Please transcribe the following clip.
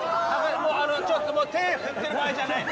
ちょっともう手振ってる場合じゃない。